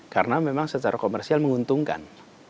karena memang secara komersial menguntungkan